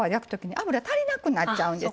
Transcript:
油足りなくなっちゃうんです。